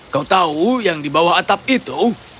kau tahu yang di bawah atap itu